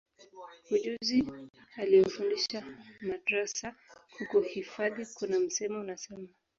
ujuzi aliyofundishwa madrasa kukuhifadhi Kuna msemo unasema